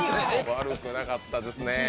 悪くなかったですね。